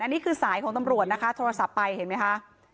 อันนี้คือสายของตำรวจนะคะโทรศัพท์ไปเห็นไหมคะ